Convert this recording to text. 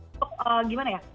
untuk gimana ya